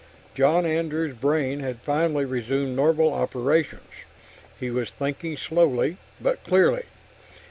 John Andrew's brain had finally resumed normal operations; he was thinking slowly, but clearly.